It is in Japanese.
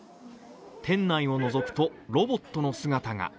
店内をのぞくとロボットの姿が。